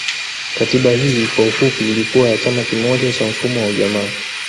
Katiba Hii kwa ufupi ilikuwa ya chama kimoja kwa mfumo wa ujamaa